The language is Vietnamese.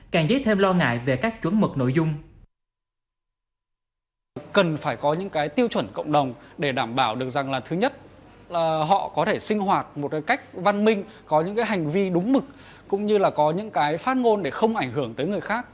càng dấy thêm lo ngại về các chuẩn mực nội dung